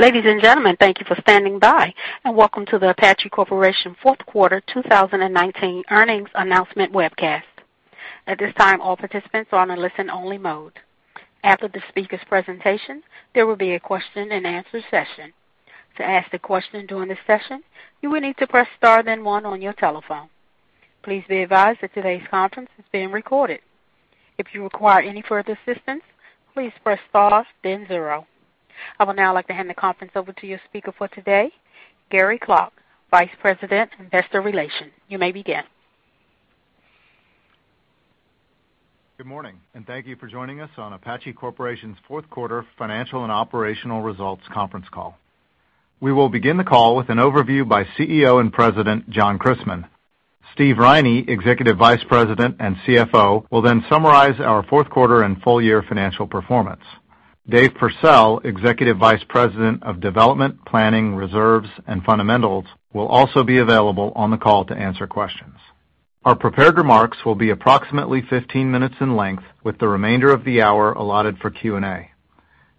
Ladies and gentlemen, thank you for standing by, and welcome to the Apache Corporation fourth quarter 2019 earnings announcement webcast. At this time, all participants are on a listen-only mode. After the speakers' presentation, there will be a question and answer session. To ask a question during this session, you will need to press star then one on your telephone. Please be advised that today's conference is being recorded. If you require any further assistance, please press star then zero. I would now like to hand the conference over to your speaker for today, Gary Clark, Vice President, Investor Relations. You may begin. Good morning, and thank you for joining us on Apache Corporation's fourth quarter financial and operational results conference call. We will begin the call with an overview by CEO and President, John Christmann. Steve Riney, Executive Vice President and CFO, will then summarize our fourth quarter and full year financial performance. Dave Pursell, Executive Vice President of Development, Planning, Reserves, and Fundamentals, will also be available on the call to answer questions. Our prepared remarks will be approximately 15 minutes in length, with the remainder of the hour allotted for Q&A.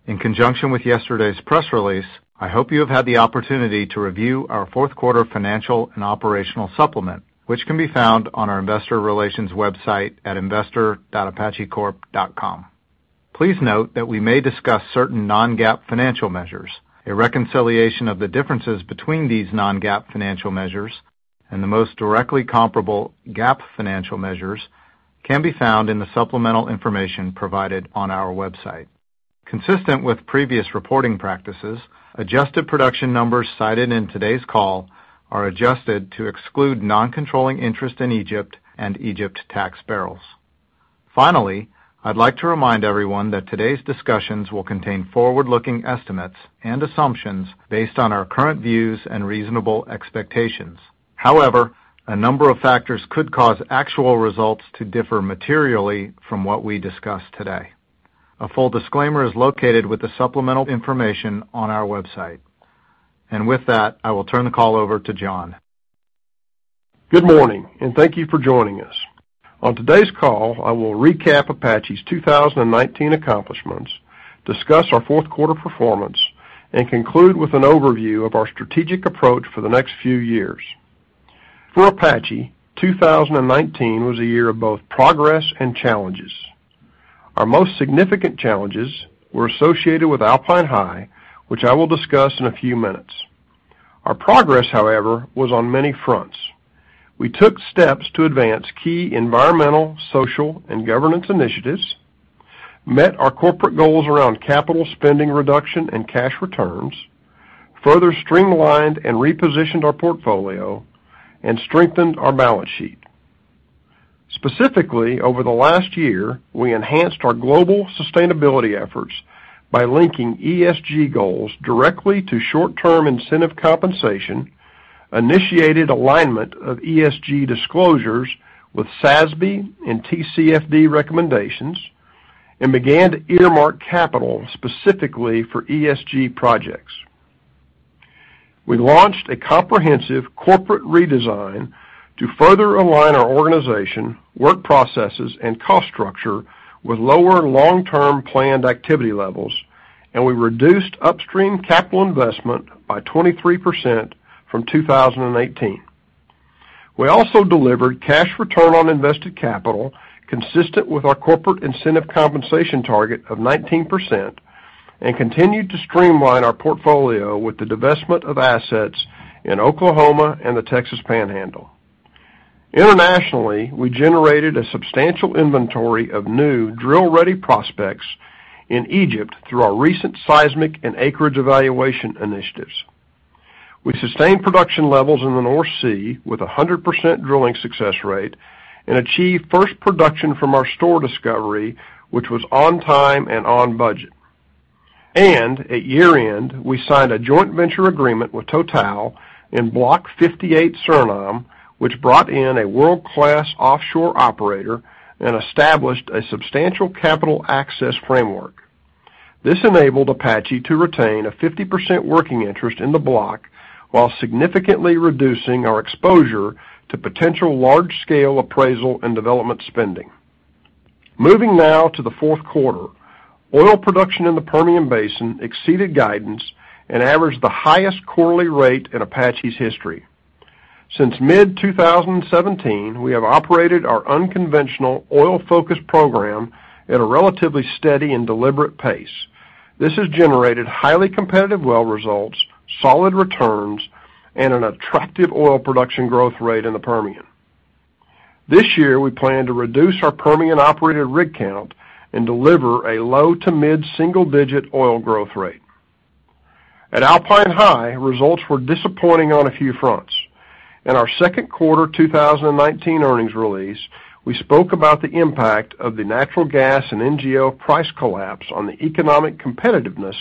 In conjunction with yesterday's press release, I hope you have had the opportunity to review our fourth quarter financial and operational supplement, which can be found on our investor relations website at investor.apachecorp.com. Please note that we may discuss certain non-GAAP financial measures. A reconciliation of the differences between these non-GAAP financial measures and the most directly comparable GAAP financial measures can be found in the supplemental information provided on our website. Consistent with previous reporting practices, adjusted production numbers cited in today's call are adjusted to exclude non-controlling interest in Egypt and Egypt tax barrels. I'd like to remind everyone that today's discussions will contain forward-looking estimates and assumptions based on our current views and reasonable expectations. A number of factors could cause actual results to differ materially from what we discuss today. A full disclaimer is located with the supplemental information on our website. With that, I will turn the call over to John. Good morning. Thank you for joining us. On today's call, I will recap Apache's 2019 accomplishments, discuss our fourth quarter performance, and conclude with an overview of our strategic approach for the next few years. For Apache, 2019 was a year of both progress and challenges. Our most significant challenges were associated with Alpine High, which I will discuss in a few minutes. Our progress, however, was on many fronts. We took steps to advance key environmental, social, and governance initiatives, met our corporate goals around capital spending reduction and cash returns, further streamlined and repositioned our portfolio, and strengthened our balance sheet. Specifically, over the last year, we enhanced our global sustainability efforts by linking ESG goals directly to short-term incentive compensation, initiated alignment of ESG disclosures with SASB and TCFD recommendations, and began to earmark capital specifically for ESG projects. We launched a comprehensive corporate redesign to further align our organization, work processes, and cost structure with lower long-term planned activity levels, and we reduced upstream capital investment by 23% from 2018. We also delivered cash return on invested capital consistent with our corporate incentive compensation target of 19% and continued to streamline our portfolio with the divestment of assets in Oklahoma and the Texas Panhandle. Internationally, we generated a substantial inventory of new drill-ready prospects in Egypt through our recent seismic and acreage evaluation initiatives. We sustained production levels in the North Sea with 100% drilling success rate and achieved first production from our Storr discovery, which was on time and on budget. At year-end, we signed a joint venture agreement with Total in Block 58 Suriname, which brought in a world-class offshore operator and established a substantial capital access framework. This enabled Apache to retain a 50% working interest in the block while significantly reducing our exposure to potential large-scale appraisal and development spending. Moving now to the fourth quarter, oil production in the Permian Basin exceeded guidance and averaged the highest quarterly rate in Apache's history. Since mid-2017, we have operated our unconventional oil-focused program at a relatively steady and deliberate pace. This has generated highly competitive well results, solid returns, and an attractive oil production growth rate in the Permian. This year, we plan to reduce our Permian operated rig count and deliver a low-to-mid single-digit oil growth rate. At Alpine High, results were disappointing on a few fronts. In our second quarter 2019 earnings release, we spoke about the impact of the natural gas and NGL price collapse on the economic competitiveness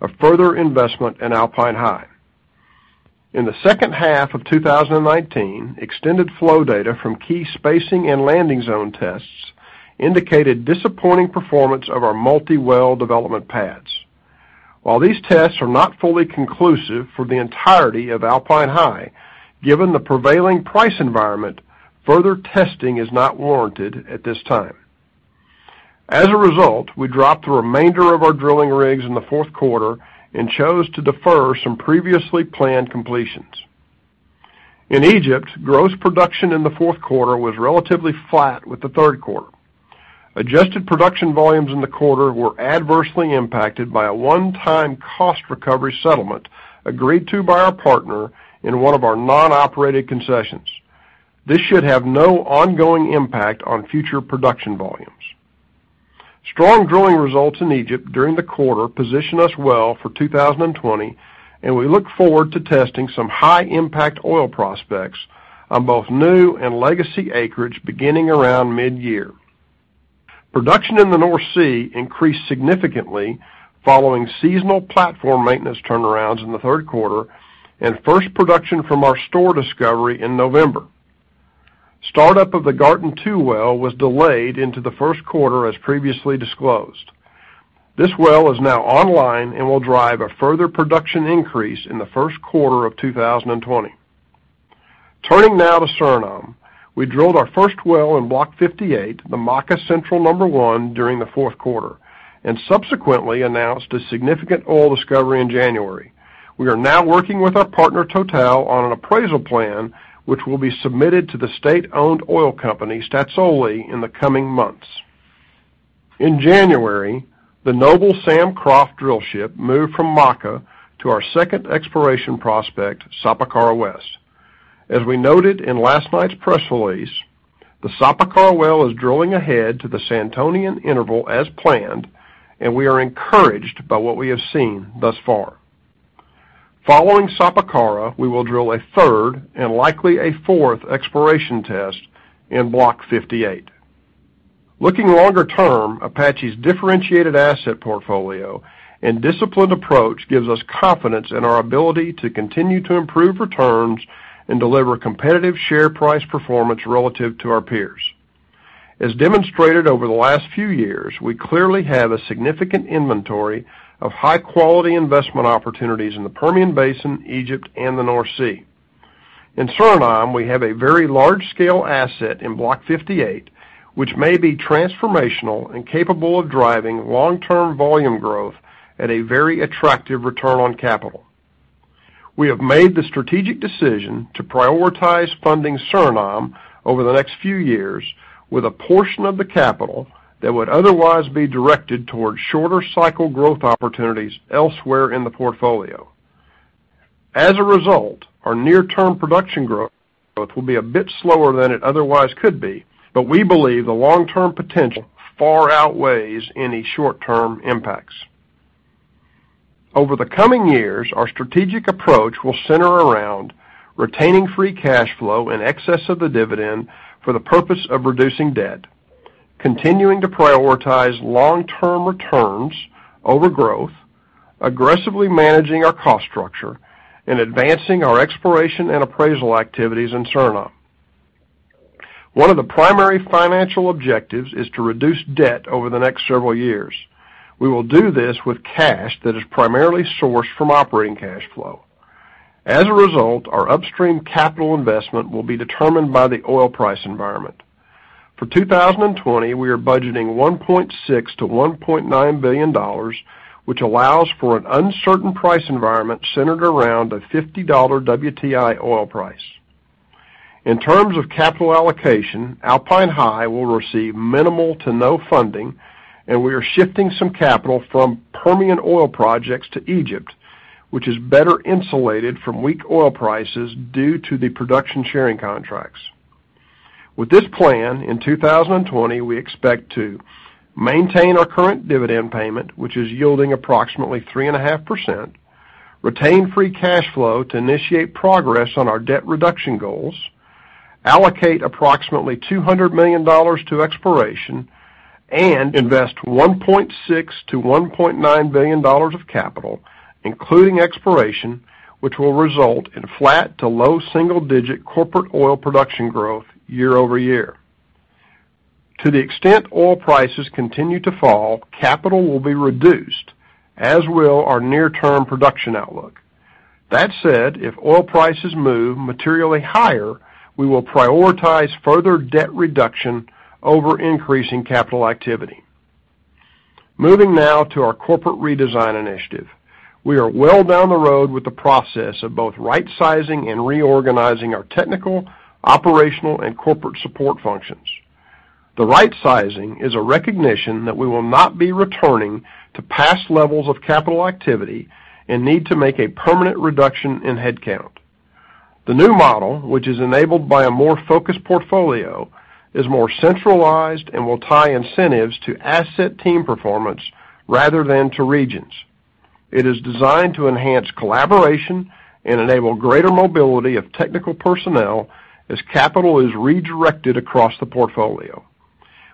of further investment in Alpine High. In the second half of 2019, extended flow data from key spacing and landing zone tests indicated disappointing performance of our multi-well development pads. While these tests are not fully conclusive for the entirety of Alpine High. Given the prevailing price environment, further testing is not warranted at this time. As a result, we dropped the remainder of our drilling rigs in the fourth quarter and chose to defer some previously planned completions. In Egypt, gross production in the fourth quarter was relatively flat with the third quarter. Adjusted production volumes in the quarter were adversely impacted by a one-time cost recovery settlement agreed to by our partner in one of our non-operated concessions. This should have no ongoing impact on future production volumes. Strong drilling results in Egypt during the quarter position us well for 2020, and we look forward to testing some high-impact oil prospects on both new and legacy acreage beginning around mid-year. Production in the North Sea increased significantly following seasonal platform maintenance turnarounds in the third quarter and first production from our Storr discovery in November. Startup of the Garten II well was delayed into the first quarter, as previously disclosed. This well is now online and will drive a further production increase in the first quarter of 2020. Turning now to Suriname, we drilled our first well in Block 58, the Maka Central-1, during the fourth quarter, and subsequently announced a significant oil discovery in January. We are now working with our partner, Total, on an appraisal plan, which will be submitted to the state-owned oil company, Staatsolie, in the coming months. In January, the Noble Sam Croft drillship moved from Maka to our second exploration prospect, Sapakara West. As we noted in last night's press release, the Sapakara well is drilling ahead to the Santonian interval as planned, and we are encouraged by what we have seen thus far. Following Sapakara, we will drill a third and likely a fourth exploration test in Block 58. Looking longer term, Apache's differentiated asset portfolio and disciplined approach gives us confidence in our ability to continue to improve returns and deliver competitive share price performance relative to our peers. As demonstrated over the last few years, we clearly have a significant inventory of high-quality investment opportunities in the Permian Basin, Egypt, and the North Sea. In Suriname, we have a very large-scale asset in Block 58, which may be transformational and capable of driving long-term volume growth at a very attractive return on capital. We have made the strategic decision to prioritize funding Suriname over the next few years with a portion of the capital that would otherwise be directed towards shorter cycle growth opportunities elsewhere in the portfolio. As a result, our near-term production growth will be a bit slower than it otherwise could be, but we believe the long-term potential far outweighs any short-term impacts. Over the coming years, our strategic approach will center around retaining free cash flow in excess of the dividend for the purpose of reducing debt, continuing to prioritize long-term returns over growth, aggressively managing our cost structure, and advancing our exploration and appraisal activities in Suriname. One of the primary financial objectives is to reduce debt over the next several years. We will do this with cash that is primarily sourced from operating cash flow. As a result, our upstream capital investment will be determined by the oil price environment. For 2020, we are budgeting $1.6 billion-$1.9 billion, which allows for an uncertain price environment centered around a $50 WTI oil price. In terms of capital allocation, Alpine High will receive minimal to no funding, and we are shifting some capital from Permian oil projects to Egypt, which is better insulated from weak oil prices due to the production sharing contracts. With this plan, in 2020, we expect to maintain our current dividend payment, which is yielding approximately 3.5%, retain free cash flow to initiate progress on our debt reduction goals, allocate approximately $200 million to exploration, and invest $1.6 billion-$1.9 billion of capital, including exploration, which will result in flat to low double-digit corporate oil production growth year-over-year. To the extent oil prices continue to fall, capital will be reduced, as will our near-term production outlook. That said, if oil prices move materially higher, we will prioritize further debt reduction over increasing capital activity. Moving now to our corporate redesign initiative. We are well down the road with the process of both right-sizing and reorganizing our technical, operational, and corporate support functions. The right-sizing is a recognition that we will not be returning to past levels of capital activity and need to make a permanent reduction in headcount. The new model, which is enabled by a more focused portfolio, is more centralized and will tie incentives to asset team performance rather than to regions. It is designed to enhance collaboration and enable greater mobility of technical personnel as capital is redirected across the portfolio.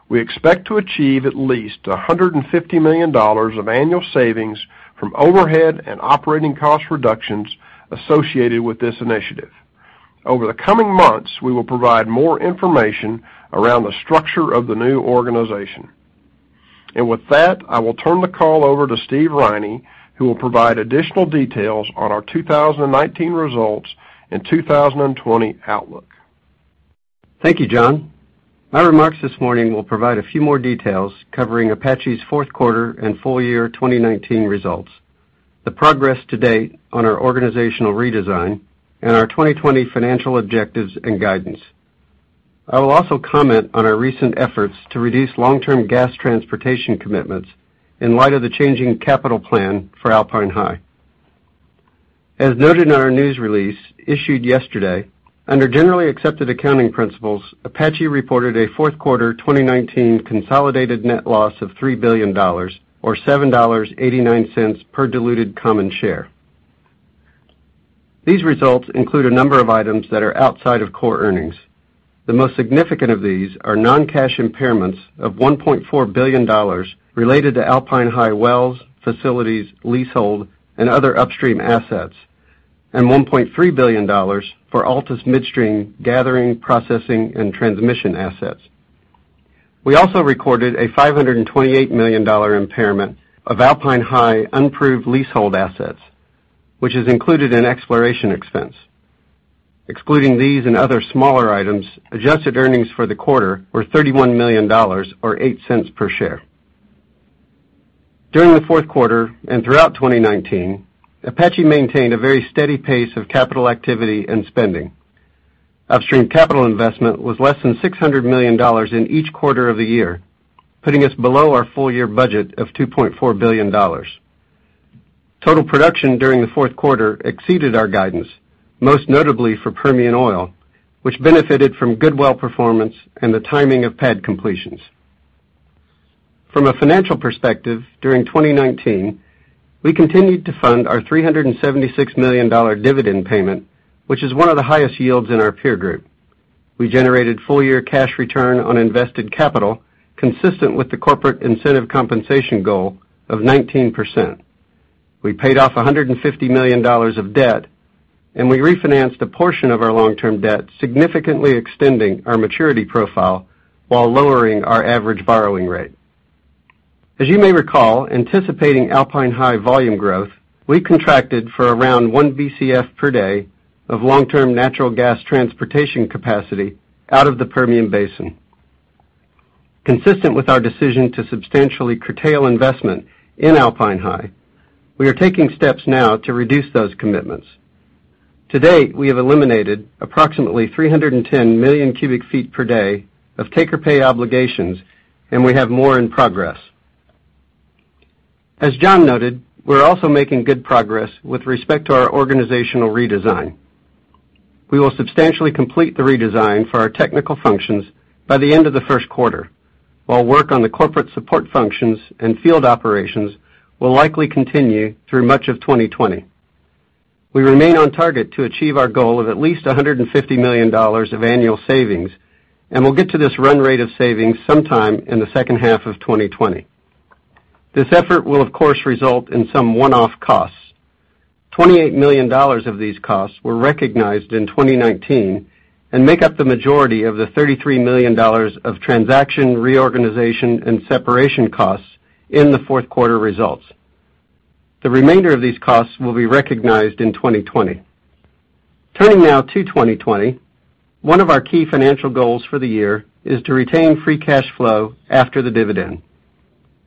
We expect to achieve at least $150 million of annual savings from overhead and operating cost reductions associated with this initiative. Over the coming months, we will provide more information around the structure of the new organization. With that, I will turn the call over to Steve Riney, who will provide additional details on our 2019 results and 2020 outlook. Thank you, John. My remarks this morning will provide a few more details covering Apache's fourth quarter and full year 2019 results, the progress to date on our organizational redesign, and our 2020 financial objectives and guidance. I will also comment on our recent efforts to reduce long-term gas transportation commitments in light of the changing capital plan for Alpine High. As noted in our news release issued yesterday, under generally accepted accounting principles, Apache reported a fourth quarter 2019 consolidated net loss of $3 billion or $7.89 per diluted common share. These results include a number of items that are outside of core earnings. The most significant of these are non-cash impairments of $1.4 billion related to Alpine High wells, facilities, leasehold, and other upstream assets, and $1.3 billion for Altus Midstream gathering, processing, and transmission assets. We also recorded a $528 million impairment of Alpine High unproved leasehold assets, which is included in exploration expense. Excluding these and other smaller items, adjusted earnings for the quarter were $31 million, or $0.08 per share. During the fourth quarter and throughout 2019, Apache maintained a very steady pace of capital activity and spending. Upstream capital investment was less than $600 million in each quarter of the year, putting us below our full year budget of $2.4 billion. Total production during the fourth quarter exceeded our guidance, most notably for Permian Oil, which benefited from good well performance and the timing of pad completions. From a financial perspective, during 2019, we continued to fund our $376 million dividend payment, which is one of the highest yields in our peer group. We generated full-year cash return on invested capital consistent with the corporate incentive compensation goal of 19%. We paid off $150 million of debt. We refinanced a portion of our long-term debt, significantly extending our maturity profile while lowering our average borrowing rate. As you may recall, anticipating Alpine High volume growth, we contracted for around 1 Bcf per day of long-term natural gas transportation capacity out of the Permian Basin. Consistent with our decision to substantially curtail investment in Alpine High, we are taking steps now to reduce those commitments. To date, we have eliminated approximately 310 million cubic feet per day of take-or-pay obligations. We have more in progress. As John noted, we're also making good progress with respect to our organizational redesign. We will substantially complete the redesign for our technical functions by the end of the first quarter, while work on the corporate support functions and field operations will likely continue through much of 2020. We remain on target to achieve our goal of at least $150 million of annual savings, and we'll get to this run rate of savings sometime in the second half of 2020. This effort will of course, result in some one-off costs. $28 million of these costs were recognized in 2019 and make up the majority of the $33 million of transaction reorganization and separation costs in the fourth quarter results. The remainder of these costs will be recognized in 2020. Turning now to 2020, one of our key financial goals for the year is to retain free cash flow after the dividend.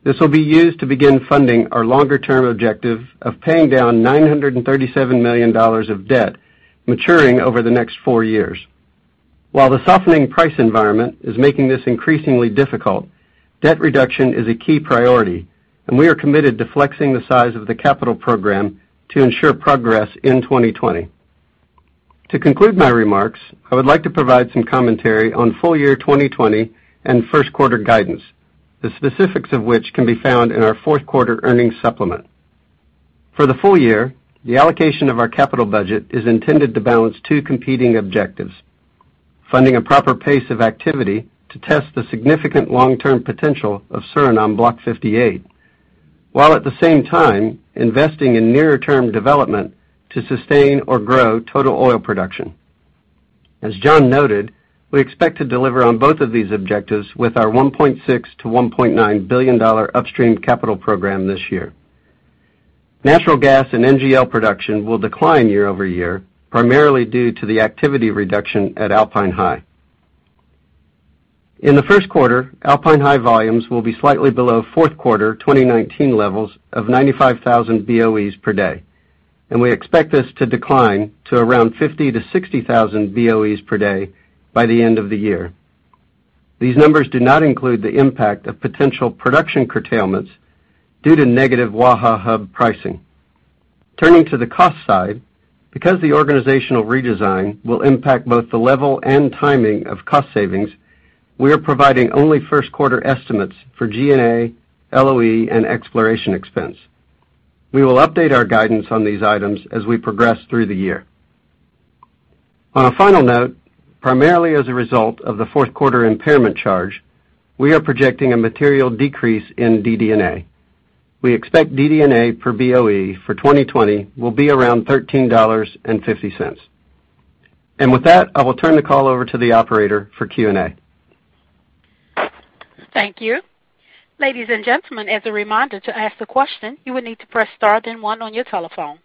This will be used to begin funding our longer-term objective of paying down $937 million of debt maturing over the next four years. While the softening price environment is making this increasingly difficult, debt reduction is a key priority, and we are committed to flexing the size of the capital program to ensure progress in 2020. To conclude my remarks, I would like to provide some commentary on full year 2020 and first quarter guidance, the specifics of which can be found in our fourth quarter earnings supplement. For the full year, the allocation of our capital budget is intended to balance two competing objectives, funding a proper pace of activity to test the significant long-term potential of Suriname Block 58, while at the same time investing in nearer-term development to sustain or grow total oil production. As John noted, we expect to deliver on both of these objectives with our $1.6 billion-$1.9 billion upstream capital program this year. Natural gas and NGL production will decline year-over-year, primarily due to the activity reduction at Alpine High. In the first quarter, Alpine High volumes will be slightly below fourth quarter 2019 levels of 95,000 BOEs per day, and we expect this to decline to around 50,000 BOEs-60,000 BOEs per day by the end of the year. These numbers do not include the impact of potential production curtailments due to negative Waha Hub pricing. Turning to the cost side, because the organizational redesign will impact both the level and timing of cost savings, we are providing only first quarter estimates for G&A, LOE, and exploration expense. We will update our guidance on these items as we progress through the year. On a final note, primarily as a result of the fourth quarter impairment charge, we are projecting a material decrease in DD&A. We expect DD&A per BOE for 2020 will be around $13.50. With that, I will turn the call over to the operator for Q&A. Thank you. Ladies and gentlemen, as a reminder, to ask the question, you will need to press star, then one on your telephone.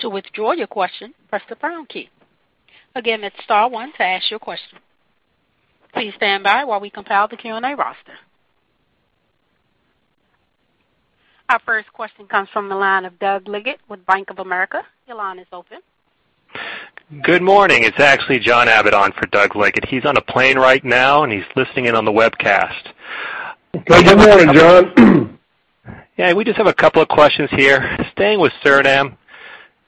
To withdraw your question, press the pound key. Again, it's star one to ask your question. Please stand by while we compile the Q&A roster. Our first question comes from the line of Douglas Leggate with Bank of America. Your line is open. Good morning. It's actually John Abbott for Douglas Leggate. He's on a plane right now, and he's listening in on the webcast. Good morning, John. Yeah, we just have a couple of questions here. Staying with Suriname,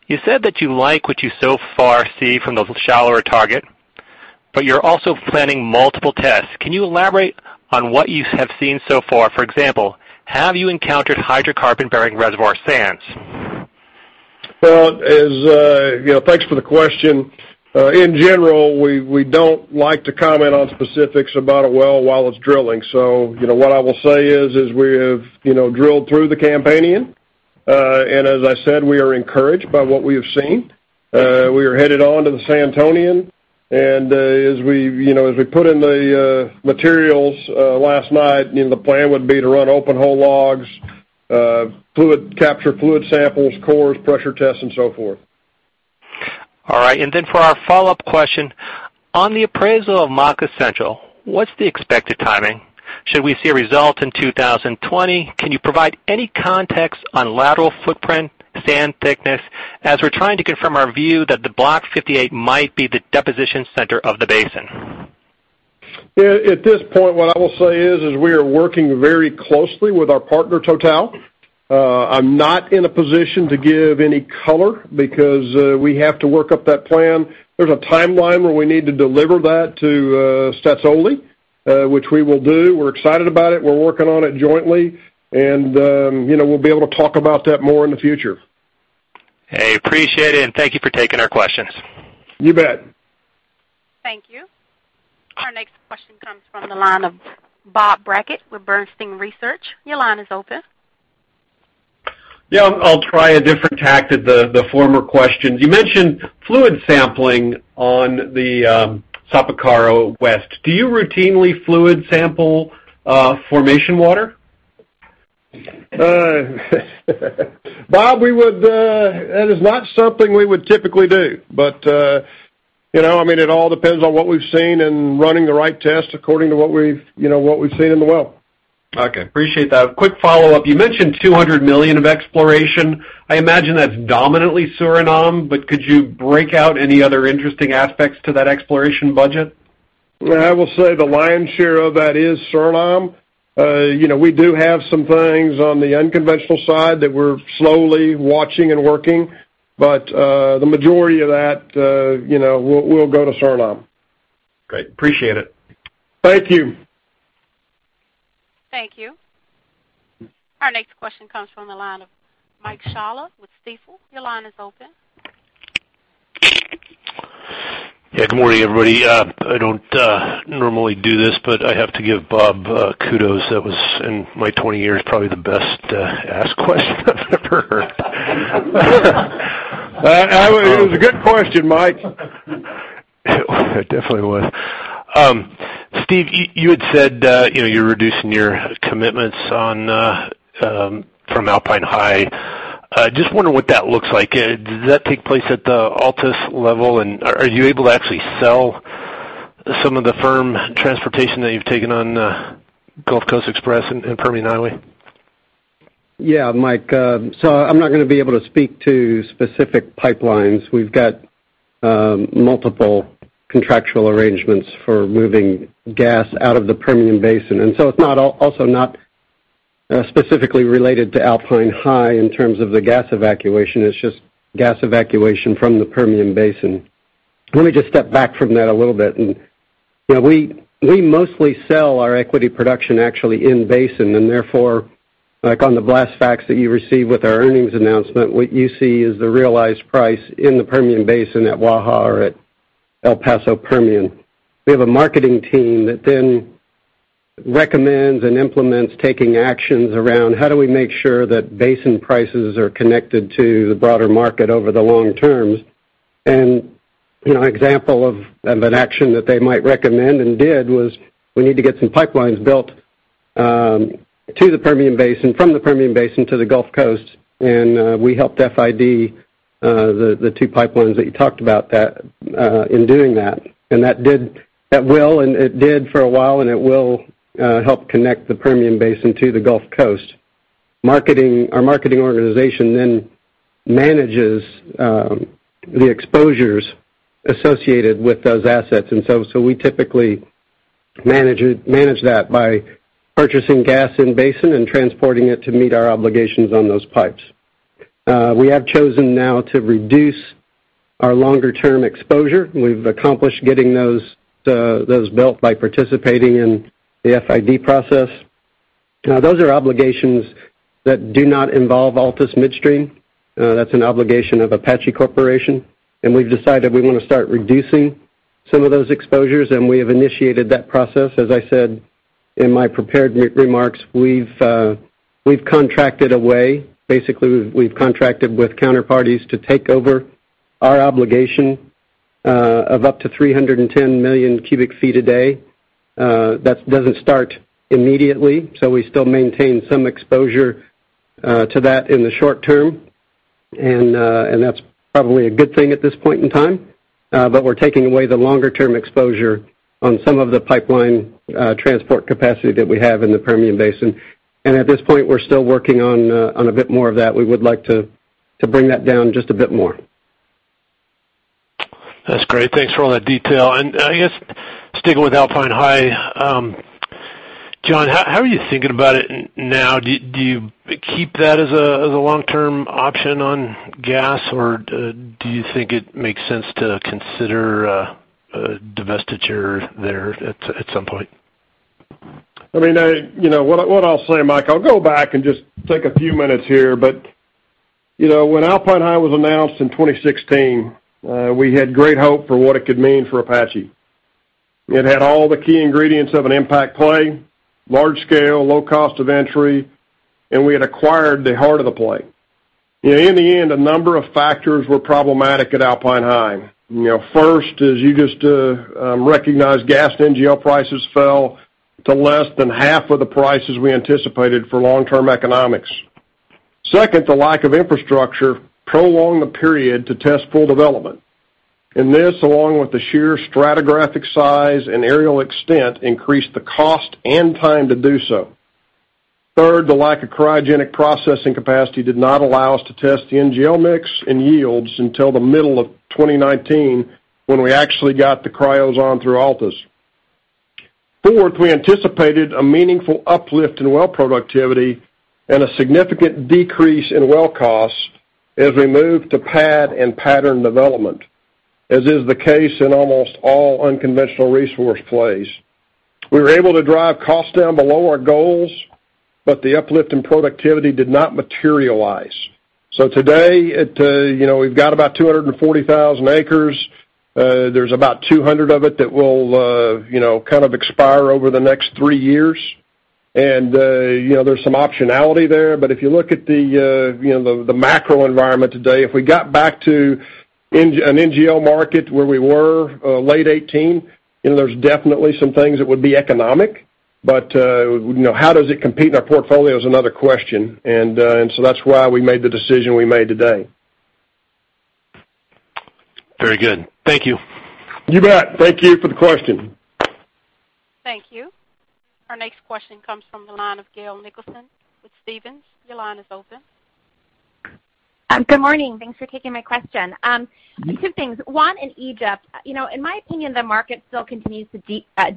you said that you like what you so far see from the shallower target, but you're also planning multiple tests. Can you elaborate on what you have seen so far? For example, have you encountered hydrocarbon-bearing reservoir sands? Well, thanks for the question. In general, we don't like to comment on specifics about a well while it's drilling. What I will say is we have drilled through the Campanian. As I said, we are encouraged by what we have seen. We are headed on to the Santonian. As we put in the materials last night, the plan would be to run open-hole logs, capture fluid samples, cores, pressure tests, and so forth. All right. For our follow-up question, on the appraisal of Maka Central, what's the expected timing? Should we see a result in 2020? Can you provide any context on lateral footprint, sand thickness, as we're trying to confirm our view that the Block 58 might be the deposition center of the basin? At this point, what I will say is, we are working very closely with our partner, Total. I'm not in a position to give any color because we have to work up that plan. There's a timeline where we need to deliver that to Staatsolie, which we will do. We're excited about it. We're working on it jointly, and we'll be able to talk about that more in the future. Hey, appreciate it, and thank you for taking our questions. You bet. Thank you. Our next question comes from the line of Bob Brackett with Bernstein Research. Your line is open. Yeah, I'll try a different tact at the former question. You mentioned fluid sampling on the Sapakara West. Do you routinely fluid sample formation water? Bob, that is not something we would typically do. It all depends on what we've seen and running the right test according to what we've seen in the well. Okay. Appreciate that. A quick follow-up. You mentioned $200 million of exploration. I imagine that's dominantly Suriname, but could you break out any other interesting aspects to that exploration budget? I will say the lion's share of that is Suriname. We do have some things on the unconventional side that we're slowly watching and working, but the majority of that will go to Suriname. Great. Appreciate it. Thank you. Thank you. Our next question comes from the line of Mike Scialla with Stifel. Your line is open. Yeah. Good morning, everybody. I don't normally do this, but I have to give Bob kudos. That was, in my 20 years, probably the best asked question I've ever heard. It was a good question, Mike. It definitely was. Steve, you had said you're reducing your commitments from Alpine High. Just wondering what that looks like. Does that take place at the Altus level, and are you able to actually sell some of the firm transportation that you've taken on the Gulf Coast Express and Permian Highway? Yeah, Mike. I'm not going to be able to speak to specific pipelines. We've got multiple contractual arrangements for moving gas out of the Permian Basin. It's also not specifically related to Alpine High in terms of the gas evacuation. It's just gas evacuation from the Permian Basin. Let me just step back from that a little bit. We mostly sell our equity production actually in-basin, and therefore, like on the Fast Facts that you receive with our earnings announcement, what you see is the realized price in the Permian Basin at Waha or at El Paso Permian. We have a marketing team that then recommends and implements taking actions around how do we make sure that basin prices are connected to the broader market over the long term. An example of an action that they might recommend and did was we need to get some pipelines built from the Permian Basin to the Gulf Coast. We helped FID the two pipelines that you talked about in doing that. That will, and it did for a while, and it will help connect the Permian Basin to the Gulf Coast. Our marketing organization then manages the exposures associated with those assets, and so we typically manage that by purchasing gas in basin and transporting it to meet our obligations on those pipes. We have chosen now to reduce our longer-term exposure. We've accomplished getting those built by participating in the FID process. Those are obligations that do not involve Altus Midstream. That's an obligation of Apache Corporation, and we've decided we want to start reducing some of those exposures, and we have initiated that process. As I said in my prepared remarks, we've contracted away. Basically, we've contracted with counterparties to take over our obligation of up to 310 million cubic feet a day. That doesn't start immediately, so we still maintain some exposure to that in the short term, and that's probably a good thing at this point in time. We're taking away the longer-term exposure on some of the pipeline transport capacity that we have in the Permian Basin. At this point, we're still working on a bit more of that. We would like to bring that down just a bit more. That's great. Thanks for all that detail. I guess sticking with Alpine High, John, how are you thinking about it now? Do you keep that as a long-term option on gas, or do you think it makes sense to consider divestiture there at some point? What I'll say, Mike, I'll go back and just take a few minutes here. When Alpine High was announced in 2016, we had great hope for what it could mean for Apache. It had all the key ingredients of an impact play, large scale, low cost of entry, and we had acquired the heart of the play. In the end, a number of factors were problematic at Alpine High. First, as you just recognized, gas NGL prices fell to less than half of the prices we anticipated for long-term economics. Second, the lack of infrastructure prolonged the period to test full development, and this, along with the sheer stratigraphic size and aerial extent, increased the cost and time to do so. The lack of cryogenic processing capacity did not allow us to test the NGL mix and yields until the middle of 2019, when we actually got the cryos on through Altus. We anticipated a meaningful uplift in well productivity and a significant decrease in well cost as we moved to pad and pattern development, as is the case in almost all unconventional resource plays. We were able to drive costs down below our goals, but the uplift in productivity did not materialize. Today, we've got about 240,000 acres. There's about 200 of it that will kind of expire over the next three years. There's some optionality there. If you look at the macro environment today, if we got back to an NGL market where we were late 2018, there's definitely some things that would be economic. How does it compete in our portfolio is another question. That's why we made the decision we made today. Very good. Thank you. You bet. Thank you for the question. Thank you. Our next question comes from the line of Gail Nicholson with Stephens. Your line is open. Good morning. Thanks for taking my question. Two things. One, in Egypt, in my opinion, the market still continues to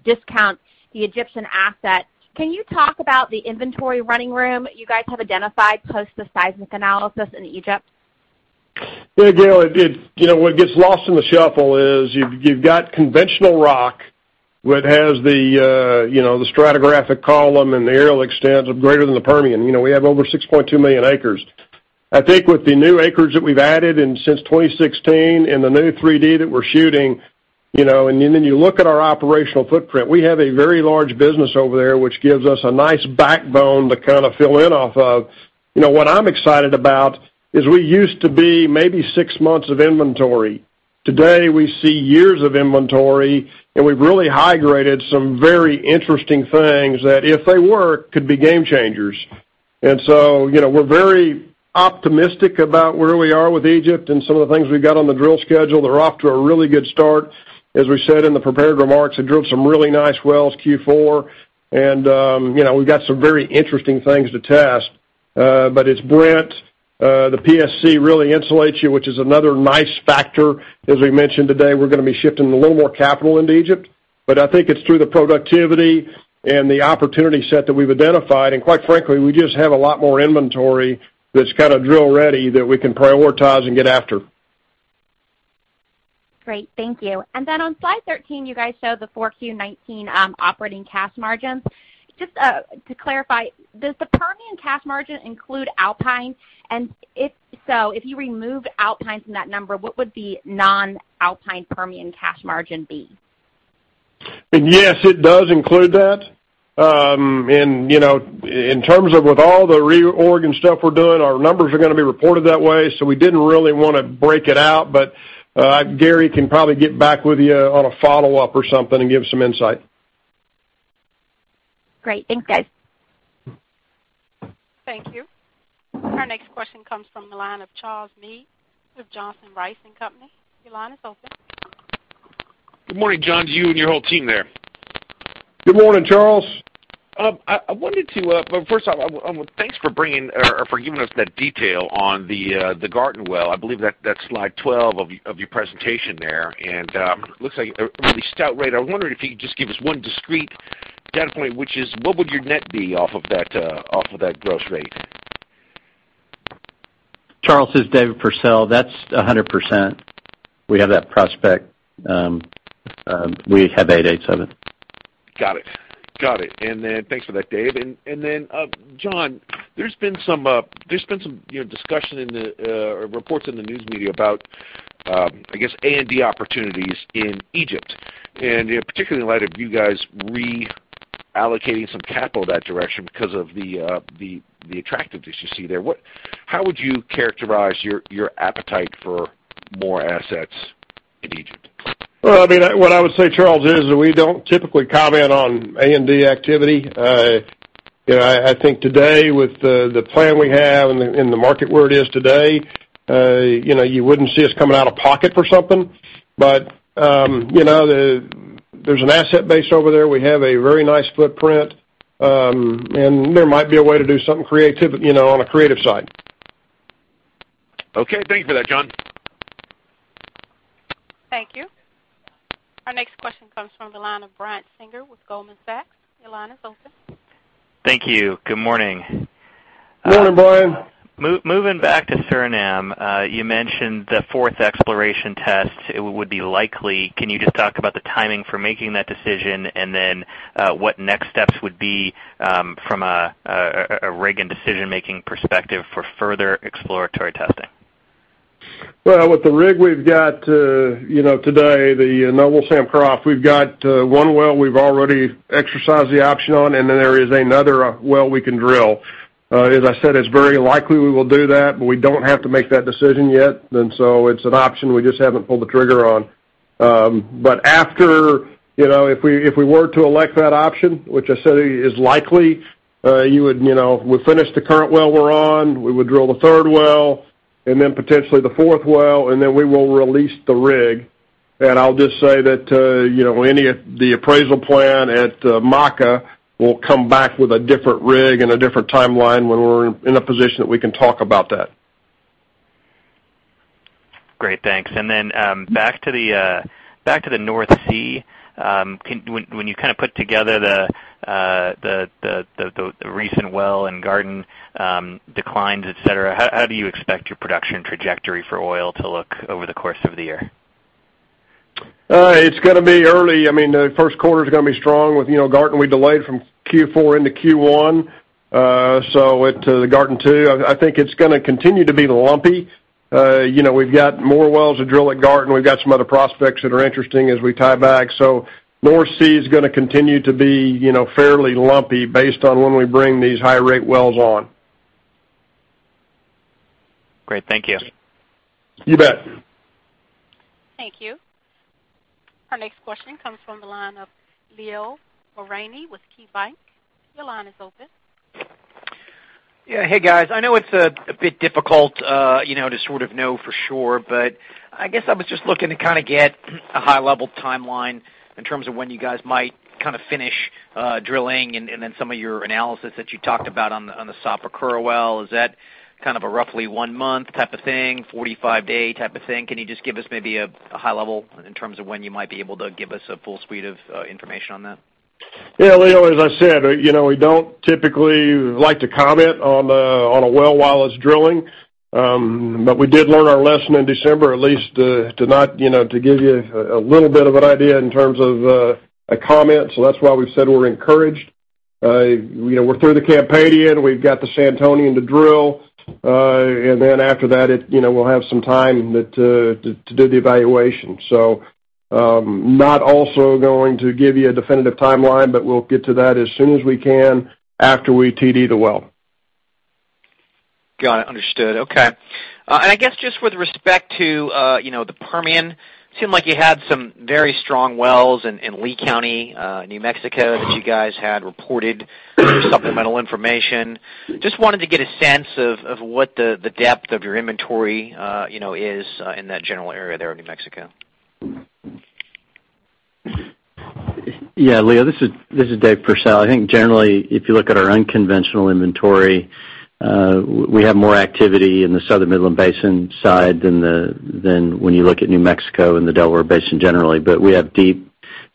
discount the Egyptian asset. Can you talk about the inventory running room you guys have identified post the seismic analysis in Egypt? Yeah, Gail, what gets lost in the shuffle is you've got conventional rock that has the stratigraphic column and the aerial extent of greater than the Permian. We have over 6.2 million acres. I think with the new acreage that we've added since 2016 and the new 3D that we're shooting, then you look at our operational footprint, we have a very large business over there, which gives us a nice backbone to kind of fill in off of. What I'm excited about is we used to be maybe six months of inventory. Today, we see years of inventory, and we've really high-graded some very interesting things that, if they work, could be game changers. We're very optimistic about where we are with Egypt and some of the things we've got on the drill schedule. They're off to a really good start. As we said in the prepared remarks, they drilled some really nice wells Q4, and we've got some very interesting things to test. It's Brent, the PSC really insulates you, which is another nice factor. As we mentioned today, we're going to be shifting a little more capital into Egypt, but I think it's through the productivity and the opportunity set that we've identified, and quite frankly, we just have a lot more inventory that's kind of drill ready that we can prioritize and get after. Great. Thank you. On slide 13, you guys showed the 4Q 2019 operating cash margins. Just to clarify, does the Permian cash margin include Alpine? If so, if you remove Alpine from that number, what would the non-Alpine Permian cash margin be? Yes, it does include that. In terms of with all the reorg and stuff we're doing, our numbers are going to be reported that way, so we didn't really want to break it out, but Gary can probably get back with you on a follow-up or something and give some insight. Great. Thanks, guys. Thank you. Our next question comes from the line of Charles Meade with Johnson Rice & Company. Your line is open. Good morning, John, to you and your whole team there. Good morning, Charles. First off, thanks for giving us that detail on the Garten well. I believe that's slide 12 of your presentation there, and looks like a really stout rate. I wonder if you could just give us one discrete data point, which is what would your net be off of that gross rate? Charles, this is Dave Pursell. That's 100%. We have that prospect. We have eight eighths of it. Got it. Thanks for that, Dave. John, there's been some discussion or reports in the news media about, I guess, A&D opportunities in Egypt, and particularly in light of you guys reallocating some capital that direction because of the attractiveness you see there. How would you characterize your appetite for more assets in Egypt? Well, what I would say, Charles, is that we don't typically comment on A&D activity. I think today with the plan we have and the market where it is today, you wouldn't see us coming out of pocket for something. There's an asset base over there. We have a very nice footprint. There might be a way to do something on a creative side. Okay. Thanks for that, John. Thank you. Our next question comes from the line of Brian Singer with Goldman Sachs. Your line is open. Thank you. Good morning. Good morning, Brian. Moving back to Suriname, you mentioned the fourth exploration test would be likely. Can you just talk about the timing for making that decision, and then what next steps would be from a rig and decision-making perspective for further exploratory testing? Well, with the rig we've got today, the Noble Sam Croft, we've got one well we've already exercised the option on, then there is another well we can drill. As I said, it's very likely we will do that, but we don't have to make that decision yet. It's an option we just haven't pulled the trigger on. If we were to elect that option, which I said is likely, we finish the current well we're on, we would drill the third well, then potentially the fourth well, then we will release the rig. I'll just say that any of the appraisal plan at Maka will come back with a different rig and a different timeline when we're in a position that we can talk about that. Great, thanks. Back to the North Sea. When you put together the recent well and Garten declines, et cetera, how do you expect your production trajectory for oil to look over the course of the year? It's going to be early. The first quarter's going to be strong with Garten. We delayed from Q4 into Q1. At the Garten II, I think it's going to continue to be lumpy. We've got more wells to drill at Garten. We've got some other prospects that are interesting as we tie back. North Sea is going to continue to be fairly lumpy based on when we bring these high-rate wells on. Great. Thank you. You bet. Thank you. Our next question comes from the line of Leo Mariani with KeyBanc. Your line is open. Yeah. Hey, guys. I know it's a bit difficult to sort of know for sure, I guess I was just looking to get a high-level timeline in terms of when you guys might finish drilling and then some of your analysis that you talked about on the Sapakara well. Is that kind of a roughly one-month type of thing, 45-day type of thing? Can you just give us maybe a high level in terms of when you might be able to give us a full suite of information on that? Yeah, Leo, as I said, we don't typically like to comment on a well while it's drilling. We did learn our lesson in December, at least to give you a little bit of an idea in terms of a comment. That's why we've said we're encouraged. We're through the Campanian. We've got the Santonian to drill. After that, we'll have some time to do the evaluation. Not also going to give you a definitive timeline, but we'll get to that as soon as we can after we TD the well. Got it. Understood. Okay. I guess just with respect to the Permian, seemed like you had some very strong wells in Lea County, New Mexico, that you guys had reported through supplemental information. Just wanted to get a sense of what the depth of your inventory is in that general area there in New Mexico. Yeah, Leo, this is Dave Pursell. I think generally, if you look at our unconventional inventory, we have more activity in the Southern Midland Basin side than when you look at New Mexico and the Delaware Basin generally. We have deep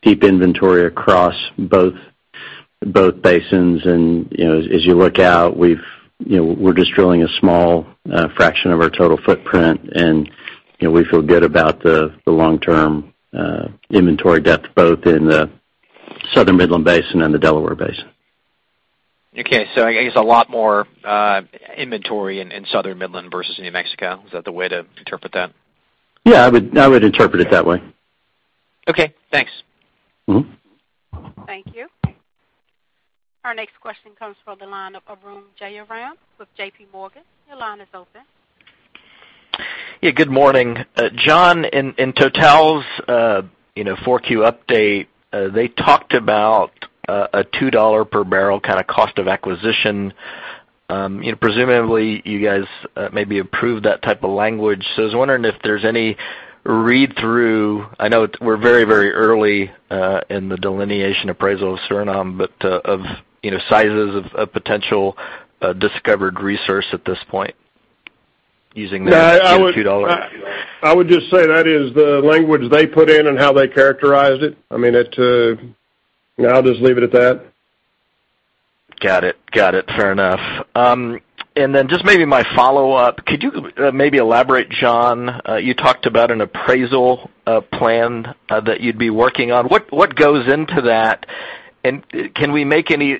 inventory across both basins, and as you look out, we're just drilling a small fraction of our total footprint, and we feel good about the long-term inventory depth, both in the Southern Midland Basin and the Delaware Basin. Okay. I guess a lot more inventory in Southern Midland versus New Mexico. Is that the way to interpret that? Yeah, I would interpret it that way. Okay, thanks. Thank you. Our next question comes from the line of Arun Jayaram with JPMorgan. Your line is open. Yeah, good morning. John, in Total's 4Q update, they talked about a $2 per barrel cost of acquisition. Presumably, you guys maybe approved that type of language. I was wondering if there's any read-through. I know we're very early in the delineation appraisal of Suriname, but of sizes of potential discovered resource at this point using the $2. I would just say that is the language they put in and how they characterized it. I'll just leave it at that. Got it. Fair enough. Just maybe my follow-up, could you maybe elaborate, John, you talked about an appraisal plan that you'd be working on. What goes into that? Can we make any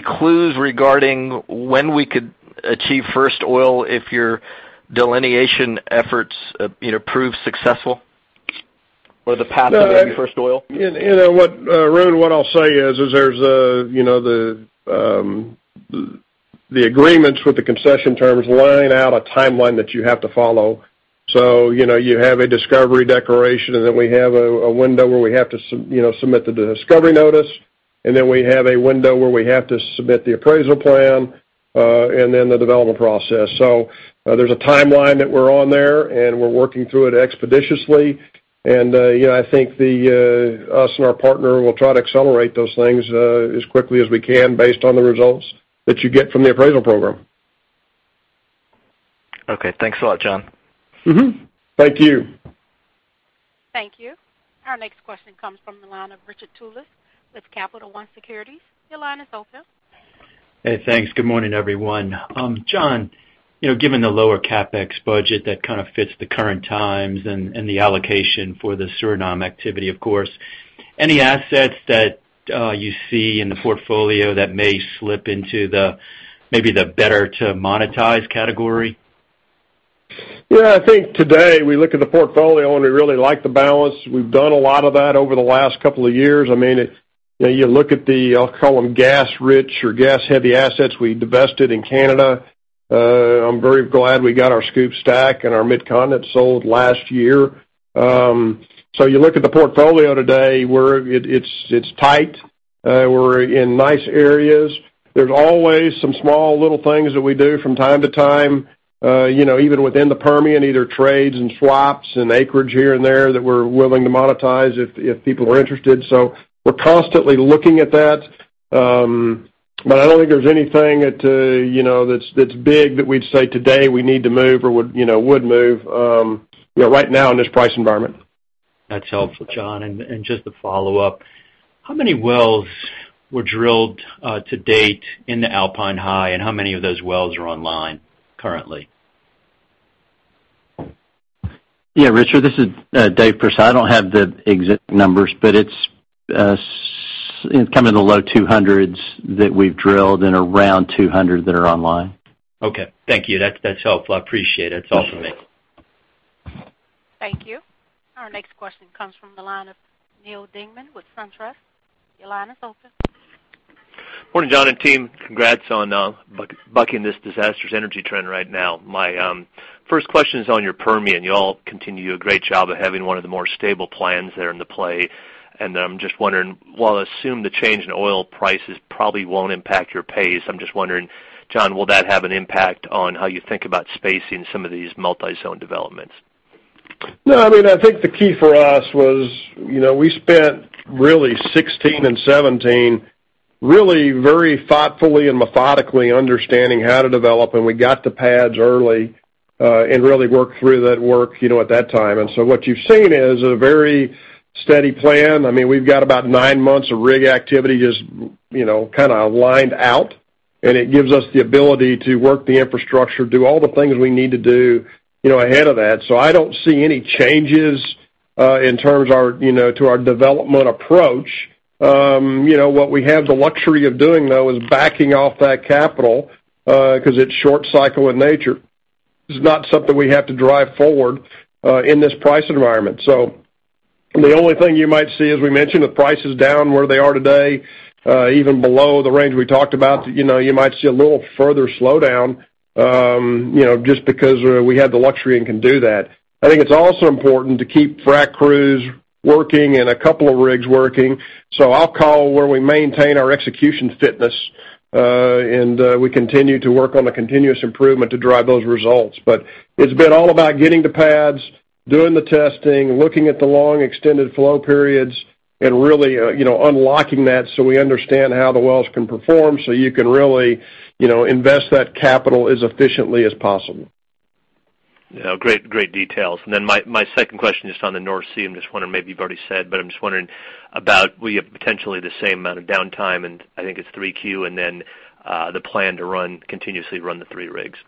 clues regarding when we could achieve first oil if your delineation efforts prove successful? Or the path to first oil? Arun, what I'll say is there's the agreements with the concession terms laying out a timeline that you have to follow. You have a discovery declaration, and then we have a window where we have to submit the discovery notice, and then we have a window where we have to submit the appraisal plan, and then the development process. There's a timeline that we're on there, and we're working through it expeditiously. I think us and our partner will try to accelerate those things as quickly as we can based on the results that you get from the appraisal program. Okay. Thanks a lot, John. Mm-hmm. Thank you. Thank you. Our next question comes from the line of Richard Tullis with Capital One Securities. Your line is open. Hey, thanks. Good morning, everyone. John, given the lower CapEx budget that kind of fits the current times and the allocation for the Suriname activity, of course, any assets that you see in the portfolio that may slip into maybe the better-to-monetize category? Yeah, I think today we look at the portfolio, we really like the balance. We've done a lot of that over the last couple of years. You look at the, I'll call them gas-rich or gas-heavy assets we divested in Canada. I'm very glad we got our SCOOP/STACK and our Midcontinent sold last year. You look at the portfolio today, it's tight. We're in nice areas. There's always some small little things that we do from time to time, even within the Permian, either trades and swaps and acreage here and there that we're willing to monetize if people are interested. We're constantly looking at that. I don't think there's anything that's big that we'd say today we need to move or would move right now in this price environment. That's helpful, John. Just to follow up, how many wells were drilled to date in the Alpine High? How many of those wells are online currently? Yeah, Richard, this is Dave Pursell. I don't have the exact numbers, but it's kind of in the low 200s that we've drilled and around 200 that are online. Okay. Thank you. That's helpful. I appreciate it. That's all for me. Thank you. Our next question comes from the line of Neal Dingmann with SunTrust. Your line is open. Morning, John and team. Congrats on bucking this disastrous energy trend right now. My first question is on your Permian. You all continue to do a great job of having one of the more stable plans there in the play. I'm just wondering, while I assume the change in oil prices probably won't impact your pace, I'm just wondering, John, will that have an impact on how you think about spacing some of these multi-zone developments? No, I think the key for us was, we spent really 2016 and 2017 really very thoughtfully and methodically understanding how to develop, and we got the pads early, and really worked through that work at that time. What you've seen is a very steady plan. We've got about nine months of rig activity just kind of lined out, and it gives us the ability to work the infrastructure, do all the things we need to do ahead of that. I don't see any changes in terms to our development approach. What we have the luxury of doing, though, is backing off that capital, because it's short cycle in nature. It's not something we have to drive forward, in this price environment. The only thing you might see, as we mentioned, the price is down where they are today, even below the range we talked about. You might see a little further slowdown, just because we have the luxury and can do that. I think it's also important to keep frack crews working and a couple of rigs working. I'll call where we maintain our execution fitness, and we continue to work on the continuous improvement to drive those results. It's been all about getting the pads, doing the testing, looking at the long extended flow periods, and really unlocking that so we understand how the wells can perform, so you can really invest that capital as efficiently as possible. Yeah. Great details. My second question is on the North Sea. I'm just wondering, maybe you've already said, but I'm just wondering about will you have potentially the same amount of downtime, and I think it's 3Q, and then the plan to continuously run the three rigs.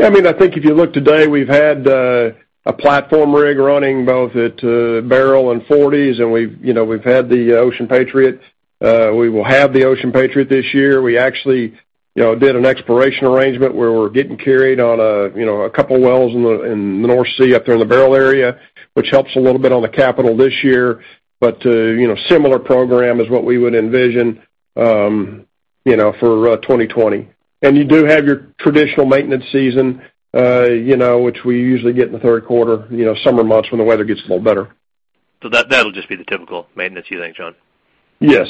I think if you look today, we've had a platform rig running both at Beryl and Forties, and we've had the Ocean Patriot. We will have the Ocean Patriot this year. We actually did an exploration arrangement where we're getting carried on a couple wells in the North Sea up there in the Beryl area, which helps a little bit on the capital this year. Similar program is what we would envision for 2020. You do have your traditional maintenance season, which we usually get in the third quarter, summer months when the weather gets a little better. That'll just be the typical maintenance you think, John? Yes.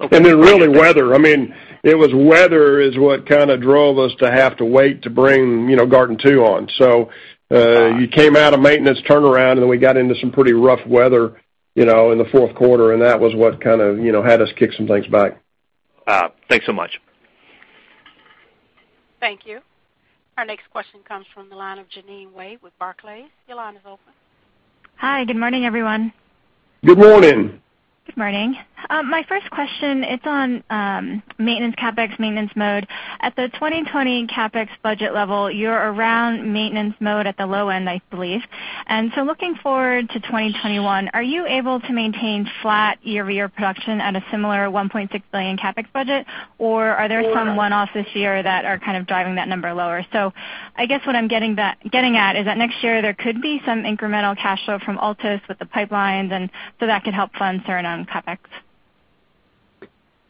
Okay. Really weather. It was weather is what kind of drove us to have to wait to bring Garten #2 on. You came out of maintenance turnaround, we got into some pretty rough weather in the fourth quarter, that was what kind of had us kick some things back. Thanks so much. Thank you. Our next question comes from the line of Jeanine Wai with Barclays. Your line is open. Hi. Good morning, everyone. Good morning. Good morning. My first question, it's on maintenance CapEx, maintenance mode. At the 2020 CapEx budget level, you're around maintenance mode at the low end, I believe. Looking forward to 2021, are you able to maintain flat year-over-year production at a similar $1.6 billion CapEx budget? Are there some one-offs this year that are kind of driving that number lower? I guess what I'm getting at is that next year there could be some incremental cash flow from Altus with the pipelines, and so that could help fund Suriname CapEx.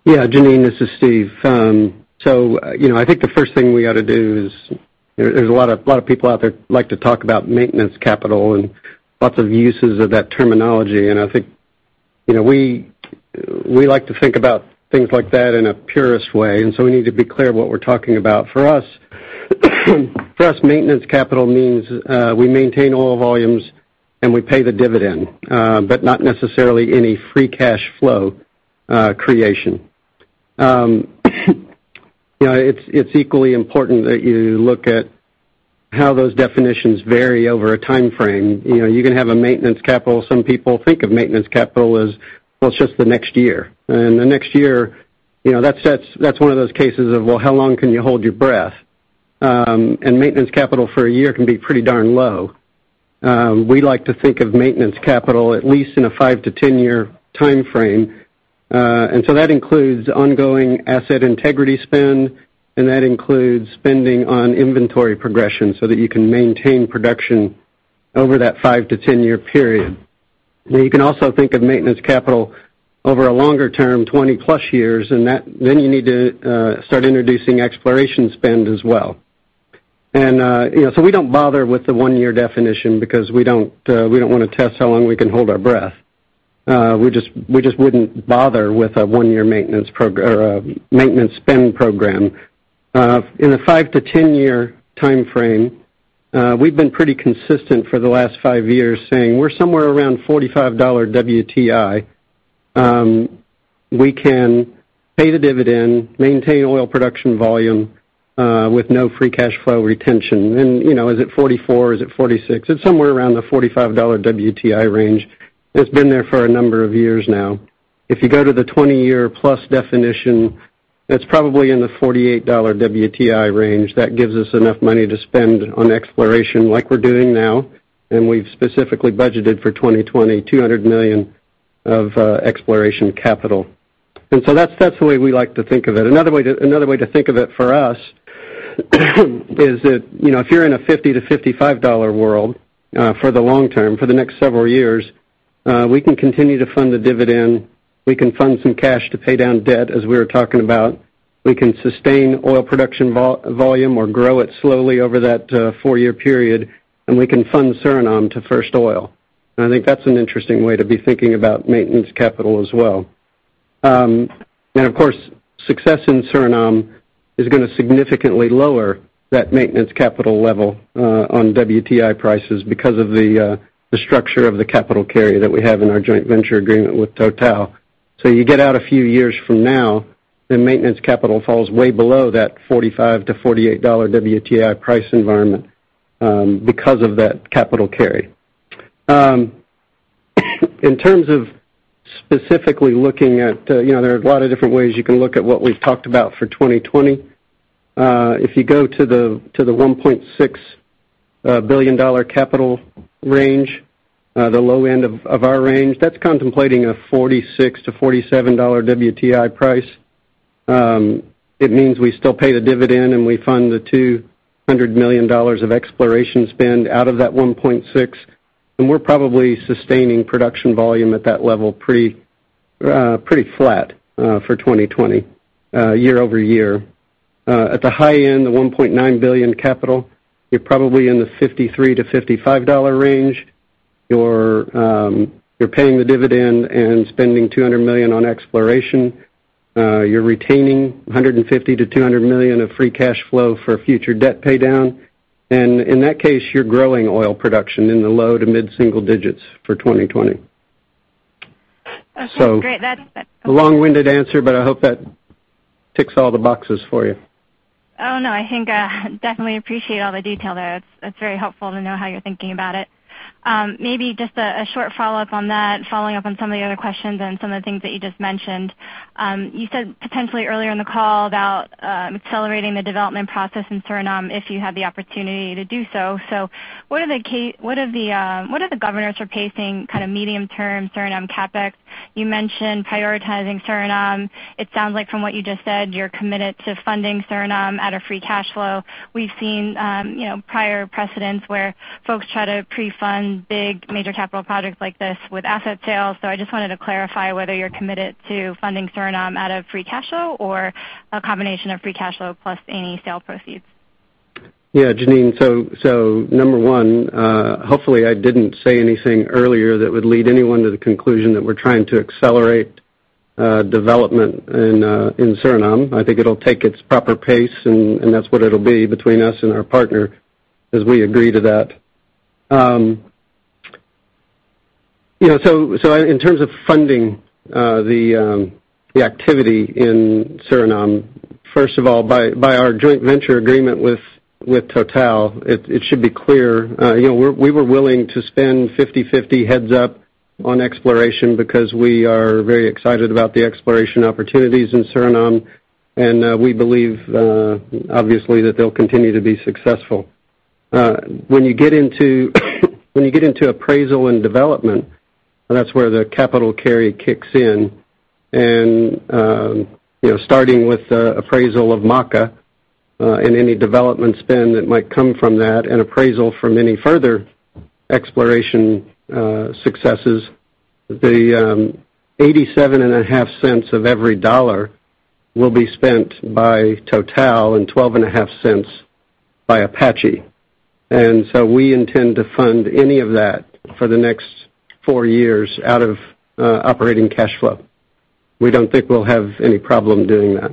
Jeanine, this is Steve. I think the first thing we ought to do is, there's a lot of people out there like to talk about maintenance capital and lots of uses of that terminology. I think we like to think about things like that in a purist way, we need to be clear what we're talking about. For us, maintenance capital means we maintain oil volumes, and we pay the dividend, but not necessarily any free cash flow creation. It's equally important that you look at how those definitions vary over a time frame. You can have a maintenance capital. Some people think of maintenance capital as well, it's just the next year. The next year, that's one of those cases of, well, how long can you hold your breath? Maintenance capital for a year can be pretty darn low. We like to think of maintenance capital at least in a five to 10-year time frame. That includes ongoing asset integrity spend, and that includes spending on inventory progression so that you can maintain production over that five to 10-year period. You can also think of maintenance capital over a longer term, 20+ years, you need to start introducing exploration spend as well. We don't bother with the one-year definition because we don't want to test how long we can hold our breath. We just wouldn't bother with a one-year maintenance spend program. In a five to 10-year time frame, we've been pretty consistent for the last five years saying we're somewhere around $45 WTI. We can pay the dividend, maintain oil production volume, with no free cash flow retention. Is it $44? Is it $46? It's somewhere around the $45 WTI range. It's been there for a number of years now. If you go to the 20-year plus definition, that's probably in the $48 WTI range. That gives us enough money to spend on exploration like we're doing now, and we've specifically budgeted for 2020, $200 million of exploration capital. That's the way we like to think of it. Another way to think of it for us is that if you're in a $50-$55 world for the long term, for the next several years, we can continue to fund the dividend. We can fund some cash to pay down debt, as we were talking about. We can sustain oil production volume or grow it slowly over that four-year period, and we can fund Suriname to first oil. I think that's an interesting way to be thinking about maintenance capital as well. Of course, success in Suriname is going to significantly lower that maintenance capital level on WTI prices because of the structure of the capital carry that we have in our joint venture agreement with Total. You get out a few years from now, the maintenance capital falls way below that $45-$48 WTI price environment because of that capital carry. In terms of specifically, there are a lot of different ways you can look at what we've talked about for 2020. If you go to the $1.6 billion capital range, the low end of our range, that's contemplating a $46-$47 WTI price. It means we still pay the dividend. We fund the $200 million of exploration spend out of that $1.6 billion, and we're probably sustaining production volume at that level pretty flat for 2020 year-over-year. At the high end, the $1.9 billion capital, you're probably in the $53-$55 range. You're paying the dividend and spending $200 million on exploration. You're retaining $150 million-$200 million of free cash flow for future debt paydown. In that case, you're growing oil production in the low to mid-single digits for 2020. Okay, great. A long-winded answer, but I hope that ticks all the boxes for you. Oh, no. I think I definitely appreciate all the detail there. That's very helpful to know how you're thinking about it. Maybe just a short follow-up on that, following up on some of the other questions and some of the things that you just mentioned. You said potentially earlier in the call about accelerating the development process in Suriname if you have the opportunity to do so. What are the governors for pacing kind of medium-term Suriname CapEx? You mentioned prioritizing Suriname. It sounds like from what you just said, you're committed to funding Suriname out of free cash flow. We've seen prior precedents where folks try to pre-fund big major capital projects like this with asset sales. I just wanted to clarify whether you're committed to funding Suriname out of free cash flow or a combination of free cash flow plus any sale proceeds. Yeah, Jeanine. Number one, hopefully I didn't say anything earlier that would lead anyone to the conclusion that we're trying to accelerate development in Suriname. I think it'll take its proper pace, and that's what it'll be between us and our partner as we agree to that. In terms of funding the activity in Suriname, first of all, by our joint venture agreement with Total, it should be clear. We were willing to spend 50/50 heads up on exploration because we are very excited about the exploration opportunities in Suriname, and we believe, obviously, that they'll continue to be successful. When you get into appraisal and development, that's where the capital carry kicks in. Starting with the appraisal of Maka, and any development spend that might come from that, and appraisal from any further exploration successes. The $0.875 of every dollar will be spent by Total and $0.125 by Apache. We intend to fund any of that for the next four years out of operating cash flow. We don't think we'll have any problem doing that.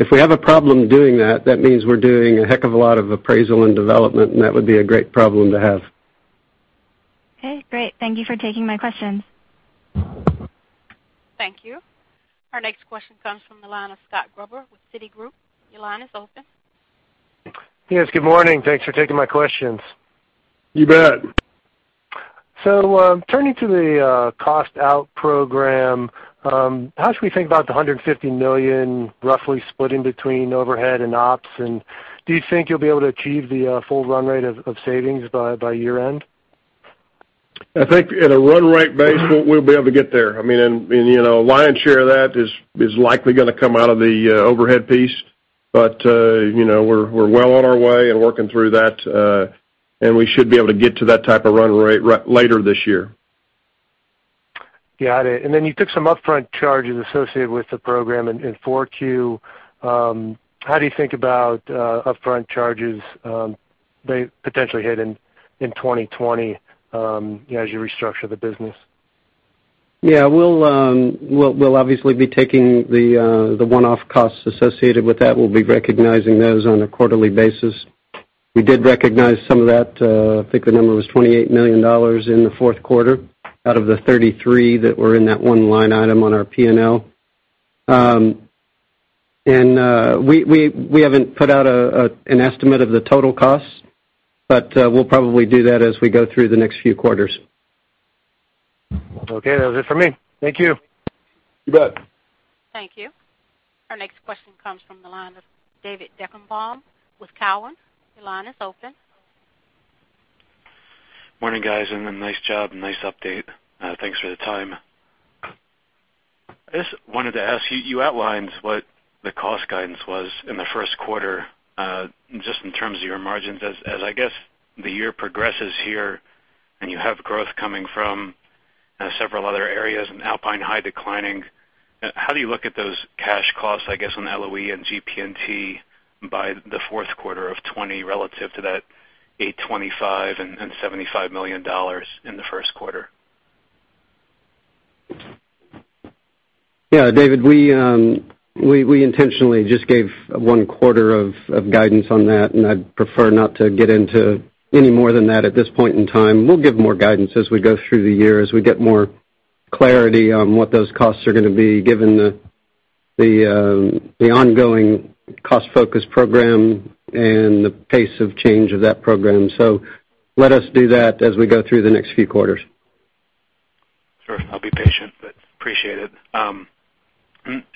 If we have a problem doing that means we're doing a heck of a lot of appraisal and development, and that would be a great problem to have. Okay, great. Thank you for taking my questions. Thank you. Our next question comes from the line of Scott Gruber with Citigroup. Your line is open. Yes, good morning. Thanks for taking my questions. You bet. Turning to the cost-out program, how should we think about the $150 million roughly split in between overhead and ops? Do you think you'll be able to achieve the full run rate of savings by year-end? I think at a run rate base, we'll be able to get there. The lion's share of that is likely going to come out of the overhead piece. We're well on our way and working through that, and we should be able to get to that type of run rate later this year. Got it. You took some upfront charges associated with the program in 4Q. How do you think about upfront charges they potentially hit in 2020 as you restructure the business? Yeah. We'll obviously be taking the one-off costs associated with that. We'll be recognizing those on a quarterly basis. We did recognize some of that, I think the number was $28 million in the fourth quarter out of the $33 that were in that one line item on our P&L. We haven't put out an estimate of the total cost, but we'll probably do that as we go through the next few quarters. Okay, that was it for me. Thank you. You bet. Thank you. Our next question comes from the line of David Deckelbaum with Cowen. Your line is open. Morning, guys, and nice job and nice update. Thanks for the time. I just wanted to ask you outlined what the cost guidance was in the first quarter, just in terms of your margins. As I guess the year progresses here, and you have growth coming from several other areas and Alpine High declining, how do you look at those cash costs, I guess, on LOE and GPT by the fourth quarter of 2020 relative to that $825 and $75 million in the first quarter? Yeah, David, we intentionally just gave one quarter of guidance on that. I'd prefer not to get into any more than that at this point in time. We'll give more guidance as we go through the year, as we get more clarity on what those costs are going to be given the ongoing cost focus program and the pace of change of that program. Let us do that as we go through the next few quarters. Sure. I'll be patient, but appreciate it.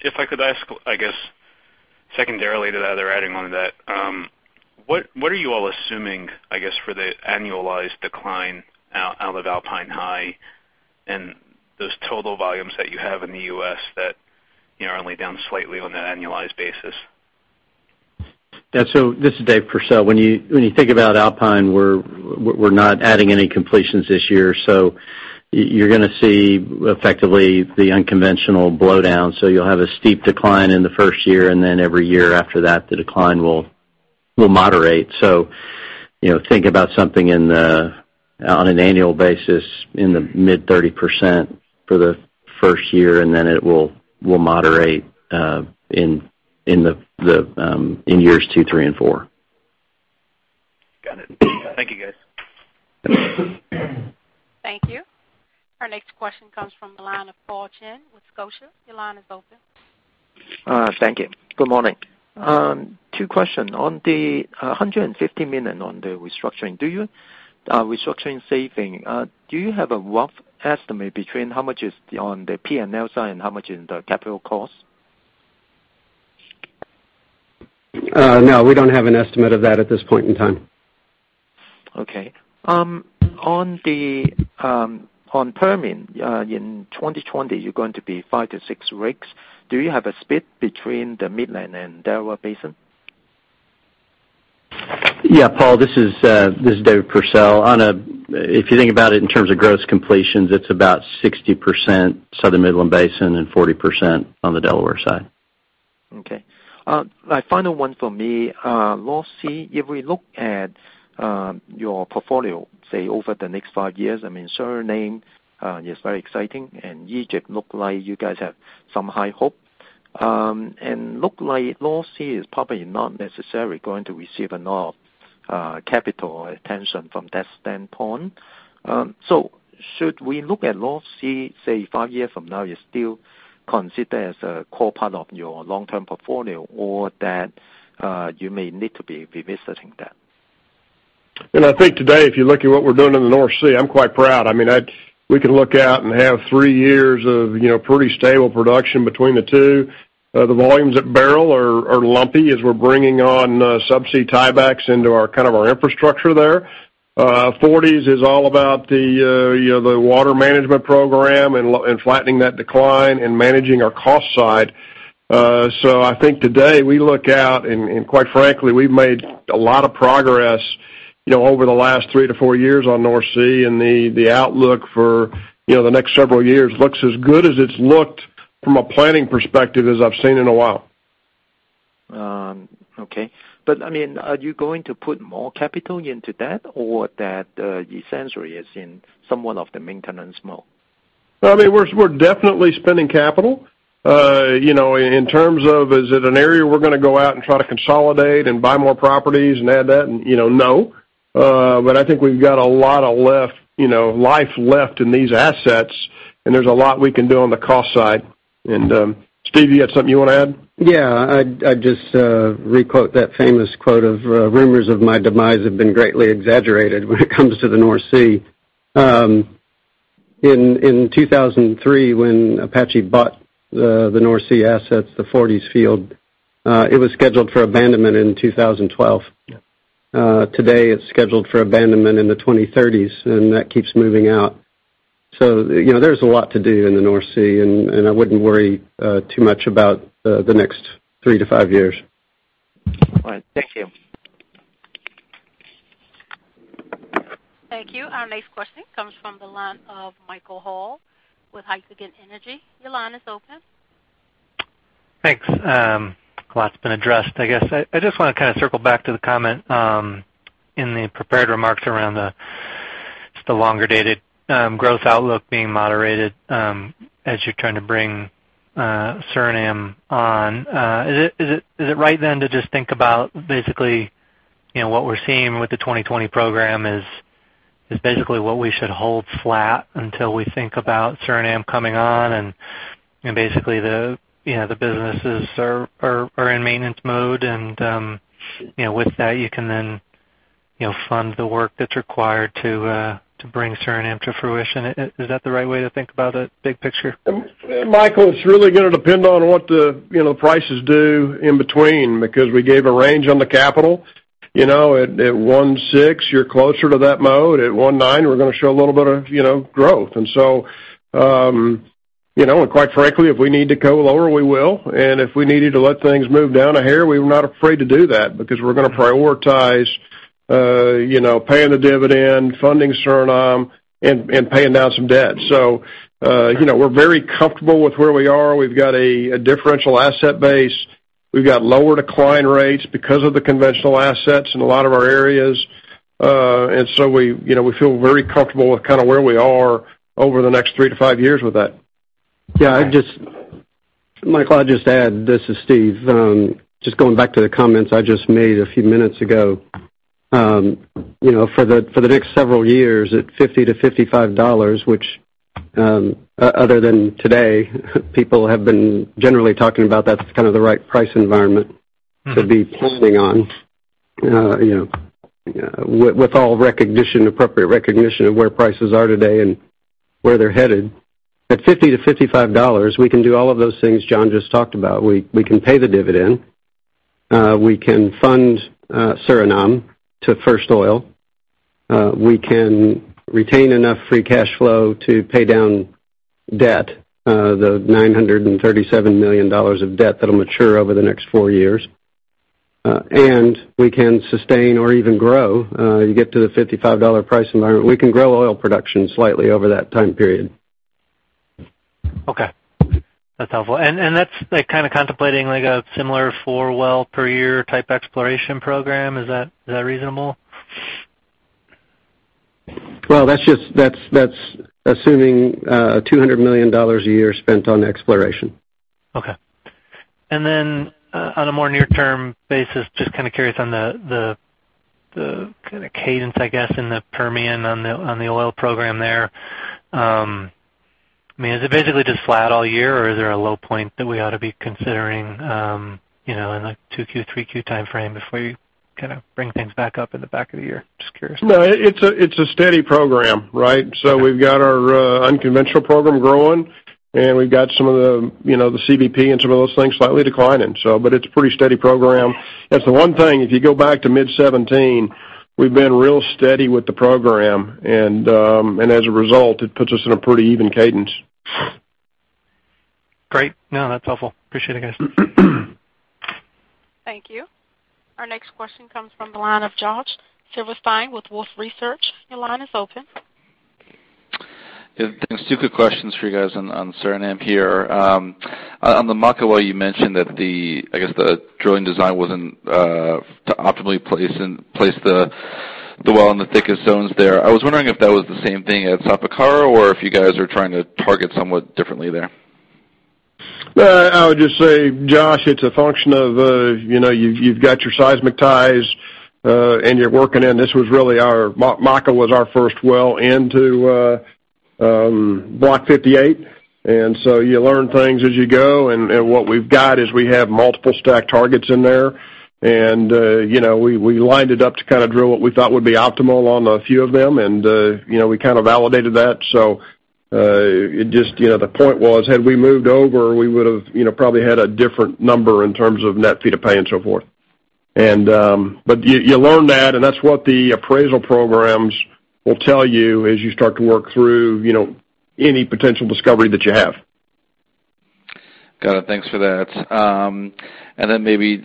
If I could ask, I guess secondarily to that other add-in on that, what are you all assuming, I guess, for the annualized decline out of Alpine High and those total volumes that you have in the U.S. that are only down slightly on that annualized basis? Yeah. This is Dave Pursell. When you think about Alpine, we're not adding any completions this year, so you're going to see effectively the unconventional blowdown. You'll have a steep decline in the first year, and then every year after that, the decline will moderate. Think about something on an annual basis in the mid 30% for the first year, and then it will moderate in years two, three, and four. Got it. Thank you, guys. Thank you. Our next question comes from the line of Paul Cheng with Scotiabank. Your line is open. Thank you. Good morning. Two question. On the $150 million on the restructuring saving, do you have a rough estimate between how much is on the P&L side and how much in the capital cost? No, we don't have an estimate of that at this point in time. Okay. On Permian, in 2020, you're going to be five to six rigs. Do you have a split between the Midland and Delaware Basin? Yeah, Paul, this is Dave Pursell. If you think about it in terms of gross completions, it's about 60% Southern Midland Basin and 40% on the Delaware side. Okay. My final one for me. If we look at your portfolio, say, over the next five years, Suriname is very exciting, and Egypt look like you guys have some high hope. Look like North Sea is probably not necessarily going to receive enough capital attention from that standpoint. Should we look at North Sea, say, five years from now, you still consider as a core part of your long-term portfolio or that you may need to be revisiting that? I think today, if you look at what we're doing in the North Sea, I'm quite proud. We can look out and have three years of pretty stable production between the two. The volumes at barrel are lumpy as we're bringing on subsea tiebacks into our infrastructure there. Forties is all about the water management program and flattening that decline and managing our cost side. I think today we look out, and quite frankly, we've made a lot of progress over the last three to four years on North Sea, and the outlook for the next several years looks as good as it's looked from a planning perspective as I've seen in a while. Okay. Are you going to put more capital into that or that essentially is in somewhat of the maintenance mode? We're definitely spending capital. In terms of, is it an area we're going to go out and try to consolidate and buy more properties and add that? No. I think we've got a lot of life left in these assets, and there's a lot we can do on the cost side. Steve, you have something you want to add? Yeah. I'd just re-quote that famous quote of, "Rumors of my demise have been greatly exaggerated," when it comes to the North Sea. In 2003, when Apache bought the North Sea assets, the Forties field, it was scheduled for abandonment in 2012. Yeah. Today it's scheduled for abandonment in the 2030s, and that keeps moving out. There's a lot to do in the North Sea, and I wouldn't worry too much about the next three to five years. All right. Thank you. Thank you. Our next question comes from the line of Michael Hall with Heikkinen Energy Advisors. Your line is open. Thanks. A lot's been addressed. I guess I just want to circle back to the comment in the prepared remarks around the longer-dated growth outlook being moderated as you're trying to bring Suriname on. Is it right then to just think about basically, what we're seeing with the 2020 program is basically what we should hold flat until we think about Suriname coming on and basically the businesses are in maintenance mode and with that you can then fund the work that's required to bring Suriname to fruition. Is that the right way to think about it, big picture? Michael, it's really going to depend on what the prices do in between, because we gave a range on the capital. At $1.6, you're closer to that mode. At $1.9, we're going to show a little bit of growth. Quite frankly, if we need to go lower, we will. If we needed to let things move down a hair, we're not afraid to do that because we're going to prioritize paying the dividend, funding Suriname and paying down some debt. We're very comfortable with where we are. We've got a differential asset base. We've got lower decline rates because of the conventional assets in a lot of our areas. We feel very comfortable with where we are over the next three to five years with that. Yeah. Michael, I'd just add, this is Steve. Just going back to the comments I just made a few minutes ago. For the next several years at $50-$55, which other than today, people have been generally talking about that's kind of the right price environment to be planning on. With all appropriate recognition of where prices are today and where they're headed. At $50-$55, we can do all of those things John just talked about. We can pay the dividend. We can fund Suriname to first oil. We can retain enough free cash flow to pay down debt, the $937 million of debt that'll mature over the next four years. We can sustain or even grow. You get to the $55 price environment, we can grow oil production slightly over that time period. Okay. That's helpful. That's contemplating a similar four well per year type exploration program? Is that reasonable? Well, that's assuming $200 million a year spent on exploration. Okay. On a more near term basis, just curious on the cadence, I guess, in the Permian on the oil program there. Is it basically just flat all year, or is there a low point that we ought to be considering in the 2Q, 3Q timeframe before you bring things back up in the back of the year? Just curious. It's a steady program, right? We've got our unconventional program growing, we've got some of the CVP and some of those things slightly declining. It's a pretty steady program. That's the one thing, if you go back to mid 2017, we've been real steady with the program, as a result, it puts us in a pretty even cadence. Great. No, that's helpful. Appreciate it, guys. Thank you. Our next question comes from the line of Josh Silverstein with Wolfe Research. Your line is open. Yeah, thanks. Two quick questions for you guys on Suriname here. On the Maka you mentioned that the drilling design wasn't to optimally place the well in the thickest zones there. I was wondering if that was the same thing at Sapakara or if you guys are trying to target somewhat differently there. Well, I would just say, Josh, it's a function of you've got your seismic ties and you're working in. Maka was our first well into Block 58. You learn things as you go. What we've got is we have multiple stack targets in there. We lined it up to drill what we thought would be optimal on a few of them, and we validated that. The point was, had we moved over, we would've probably had a different number in terms of net feet of pay and so forth. You learn that, and that's what the appraisal programs will tell you as you start to work through any potential discovery that you have. Got it. Thanks for that. Then maybe,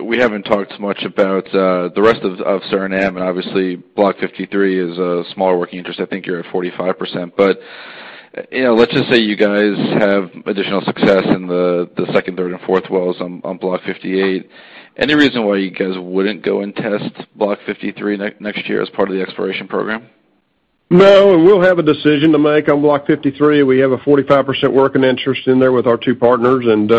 we haven't talked much about the rest of Suriname, and obviously Block 53 is a smaller working interest. I think you're at 45%. Let's just say you guys have additional success in the second, third, and fourth wells on Block 58. Any reason why you guys wouldn't go and test Block 53 next year as part of the exploration program? No. We'll have a decision to make on Block 53. We have a 45% working interest in there with our two partners, and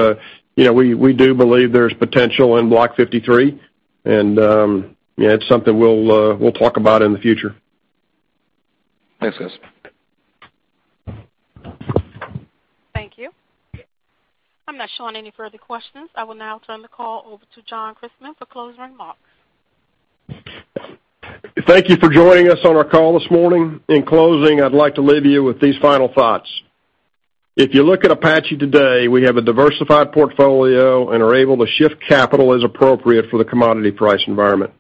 we do believe there's potential in Block 53. It's something we'll talk about in the future. Thanks, guys. Thank you. I'm not showing any further questions. I will now turn the call over to John Christmann for closing remarks. Thank you for joining us on our call this morning. In closing, I'd like to leave you with these final thoughts. If you look at Apache today, we have a diversified portfolio and are able to shift capital as appropriate for the commodity price environment.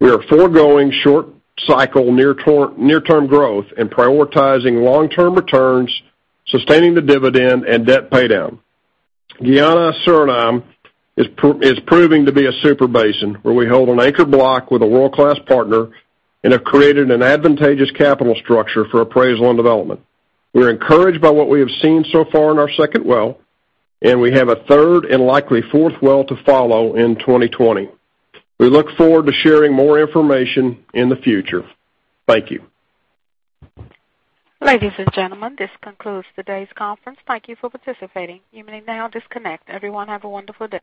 We are foregoing short cycle near-term growth and prioritizing long-term returns, sustaining the dividend, and debt paydown. Guyana-Suriname is proving to be a super basin, where we hold an anchored block with a world-class partner and have created an advantageous capital structure for appraisal and development. We're encouraged by what we have seen so far in our second well, and we have a third and likely fourth well to follow in 2020. We look forward to sharing more information in the future. Thank you. Ladies and gentlemen, this concludes today's conference. Thank you for participating. You may now disconnect. Everyone, have a wonderful day.